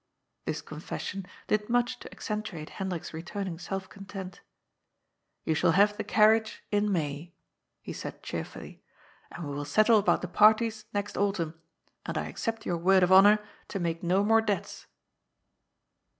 This confession did much to accentuate Hendrik's re turning self content. You shall have the carriage in May," 17 258 GOD'S FOOL. he said cheerfully, ^' and we will settle about the parties next autumn, and I accept your word of honour to make no more debts."